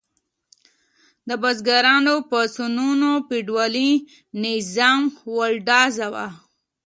د بزګرانو پاڅونونو فیوډالي نظام ولړزاوه.